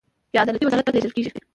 بیا عدلیې وزارت ته لیږل کیږي.